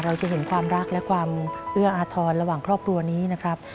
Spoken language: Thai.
เราจะเห็นความรักและความเอื้ออาทรระหว่างครอบครัวนี้นะครับ